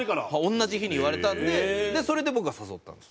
同じ日に言われたのでそれで僕が誘ったんです。